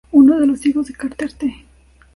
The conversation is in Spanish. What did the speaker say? Uno de los hijos de Carter: Tte.